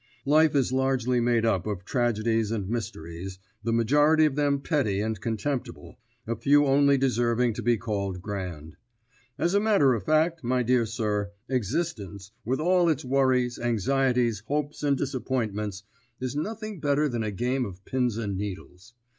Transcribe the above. Life is largely made up of tragedies and mysteries, the majority of them petty and contemptible, a few only deserving to be called grand. As a matter of fact, my dear sir, existence, with all its worries, anxieties, hopes, and disappointments, is nothing better than a game of pins and needles.